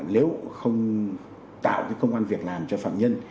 nếu không tạo công an việc làm cho phạm nhân